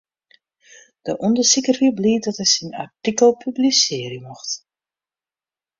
De ûndersiker wie bliid dat er syn artikel publisearje mocht.